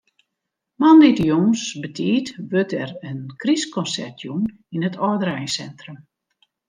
Moandei de jûns betiid wurdt der in krystkonsert jûn yn it âldereinsintrum.